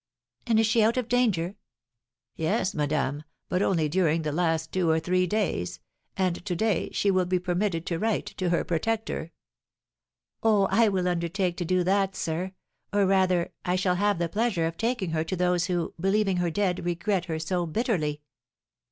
"And is she out of danger?" "Yes, madame, but only during the last two or three days, and to day she will be permitted to write to her protector." "Oh, I will undertake to do that, sir; or, rather, I shall have the pleasure of taking her to those who, believing her dead, regret her so bitterly!"